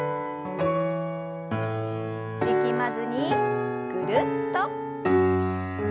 力まずにぐるっと。